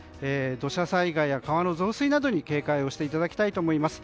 土砂災害や川の増水に警戒していただきたいと思います。